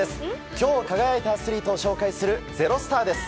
今日、輝いたアスリートを紹介する「＃ｚｅｒｏｓｔａｒ」です。